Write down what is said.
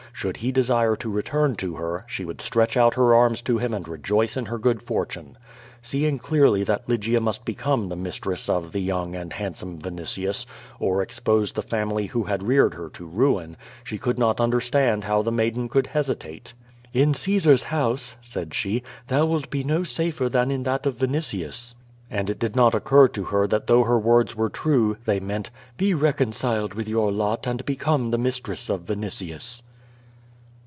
Should he desire to return to her, she would stretch out her arms to him and rejoice in her good fortune. Seeing clearly that Lygia must become the mistress of the young and handsome Vinitius, or expose the family who had reared her to ruin, she could not understand how the maiden could hesitate. "In Caesar's house," said she, "thou wilt be no safer than in that of Vinitius." And it did not occur to her that though her words were true, they meant: "Be reconciled with your lot and become the mistress of Vinitius."